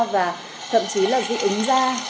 và thậm chí là dị ứng ra